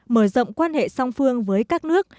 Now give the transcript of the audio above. mở rộng quan hệ song phương với các nước